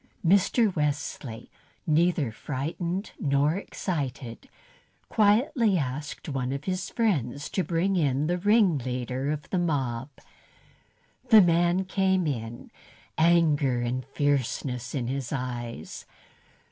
Mr. Wesley, neither frightened nor excited, quietly asked one of his friends to bring in the ringleader of the mob. The man came in, anger and fierceness in his eyes.